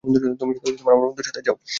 তুমি শুধু আমার বন্ধুর সাথে যাও।